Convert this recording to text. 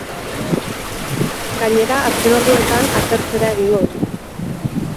Gainera, azken orduetan atertzera egingo du.